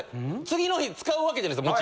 次の日使うわけじゃないですよ